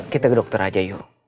kita ke dokter aja yuk